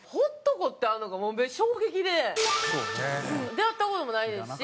出合った事もないですし。